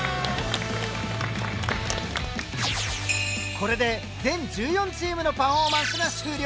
これで全１４チームのパフォーマンスが終了。